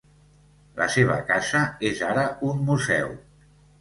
La seva casa és ara un museu.